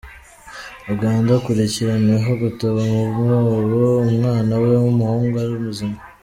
Uganda:Akurikiranweho gutaba mu mwobo umwana we w’umuhungu ari muzima.